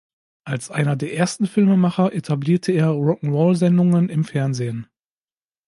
Als einer der ersten Filmemacher etablierte er Rock’n’Roll-Sendungen im Fernsehen.